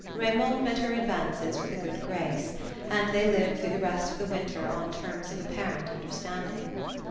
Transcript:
Raymond met her advances with a good grace, and they lived through the rest of the winter on terms of apparent understanding.